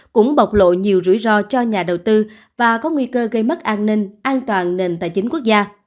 cũng bộc lộ nhiều rủi ro cho nhà đầu tư và có nguy cơ gây mất an ninh an toàn nền tài chính quốc gia